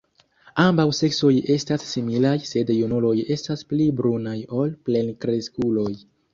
Ambaŭ seksoj estas similaj, sed junuloj estas pli brunaj ol plenkreskuloj.